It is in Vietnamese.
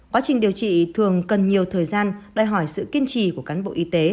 quá trình điều trị thường cần nhiều thời gian đòi hỏi sự kiên trì của cán bộ y tế